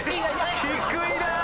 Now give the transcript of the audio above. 低いな！